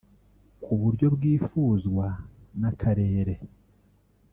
ku buryo bwifuzwa n’akarere